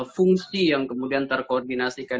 fungsi yang kemudian terkoordinasikan